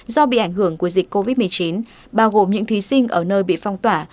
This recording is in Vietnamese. do bị ảnh hưởng của dịch covid một mươi chín bao gồm những thí sinh ở nơi bị phong tỏa